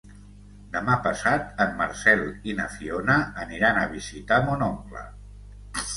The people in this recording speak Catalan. Demà passat en Marcel i na Fiona aniran a visitar mon oncle.